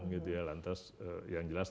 gitu ya lantas yang jelas